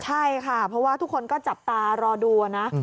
ใช่ค่ะเพราะว่าทุกคนก็จับตารอดูนะ